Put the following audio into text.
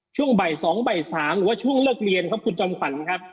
ช่วงบ่าย๒บ่าย๓หรือว่าช่วงเลิกเรียนครับคุณจอมขวัญครับ